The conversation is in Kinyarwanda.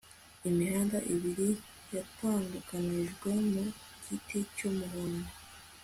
Imihanda ibiri yatandukanijwe mu giti cyumuhondo